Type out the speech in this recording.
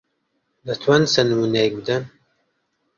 دەتوانن چەند نموونەیەک بدەن؟